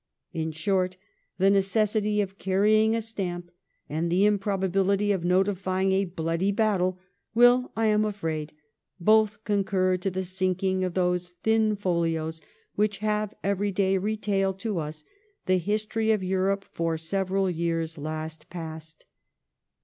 In short the necessity of carrying a stamp and the improbability of notifying a bloody battle will I am afraid both concur to the sinking of those thin folios which have every other day retailed to us the history of Europe for several years last passed.